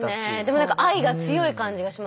でも何か愛が強い感じがしますよね。